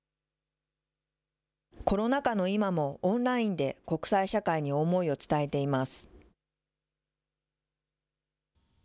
コロナ禍の今も、オンラインで国際社会に思いを伝えています。